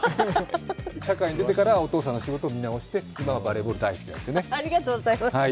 社会に出てからお父さんの仕事を見直して、今はバレーボール大好きなんですよね。